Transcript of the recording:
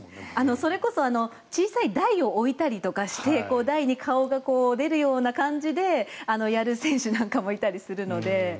それこそ小さい台を置いたりして台に顔が出るような感じでやる選手なんかもいたりするので。